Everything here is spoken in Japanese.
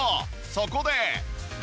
そこで。